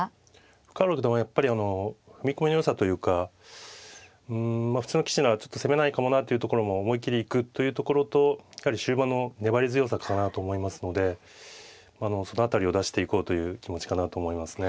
深浦九段はやっぱりあの踏み込みのよさというかうんまあ普通の棋士ならちょっと攻めないかもなというところも思い切り行くというところと終盤の粘り強さかなと思いますのでその辺りを出していこうという気持ちかなと思いますね。